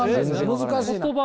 難しいな。